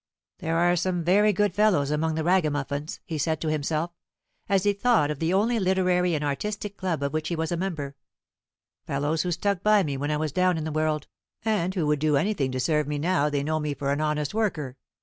"There are some very good fellows among the Ragamuffins," he said to himself, as he thought of the only literary and artistic club of which he was a member; "fellows who stuck by me when I was down in the world, and who would do anything to serve me now they know me for an honest worker.